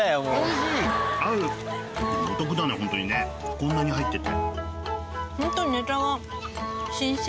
こんなに入ってて。